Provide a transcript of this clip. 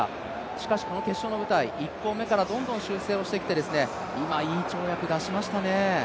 しかし、この決勝の舞台、１本目からどんどん修正してきて今、いい跳躍出しましたね。